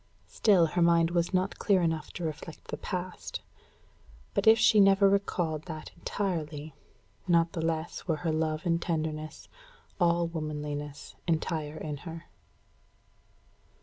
Still her mind was not clear enough to reflect the past. But if she never recalled that entirely, not the less were her love and tenderness all womanliness entire in her.